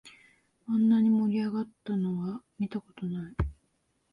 あんなに盛り上がったのは見たことない